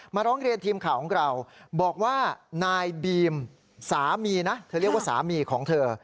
ร้องเรียนทีมข่าวของเราบอกว่านายบีมสามีนะเธอเรียกว่าสามีของเธอ